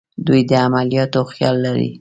دوی د عملیاتو خیال لري.